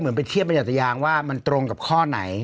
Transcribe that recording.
เหมือนเป็นเทียบบรรยาตรายางว่ามันตรงกับข้อไหน